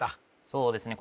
そうですね